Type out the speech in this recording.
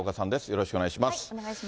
よろしくお願いします。